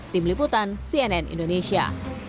tim liputan cnn indonesia